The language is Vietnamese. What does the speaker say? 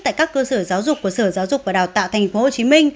tại các cơ sở giáo dục của sở giáo dục và đào tạo tp hcm